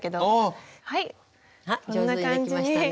上手にできましたね。